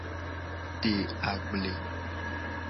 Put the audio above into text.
De agble.